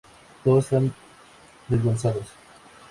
Todos están desguazados.